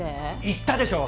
言ったでしょ。